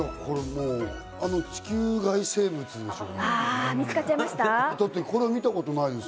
これ地球外生物でしょ。